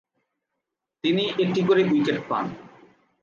তিনি একটি করে উইকেট পান।